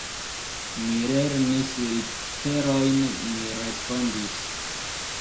Mi lernis literojn, mi respondis.